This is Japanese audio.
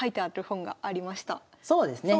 そうですね。